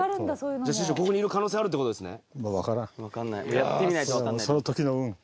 じゃあここにいる可能性あるってことですね？